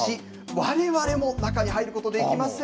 われわれも中に入ることできません。